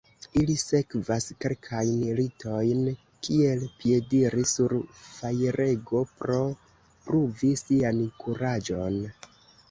Ili sekvas kelkajn ritojn kiel piediri sur fajrego pro pruvi sian kuraĝon.